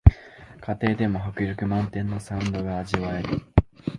家庭でも迫力満点のサウンドが味わえる